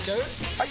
・はい！